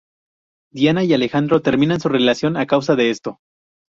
Diana y Alejandro terminan su relación a causa de esto.